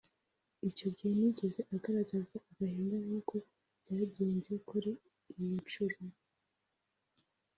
Icyo gihe ntiyigeze agaragaza agahinda nk’uko byagenze kuri iyi nshuro